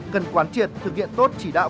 cần quán triệt thực hiện tốt chỉ đạo